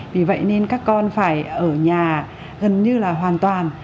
vì vậy nên các con phải ở nhà gần như là hoàn toàn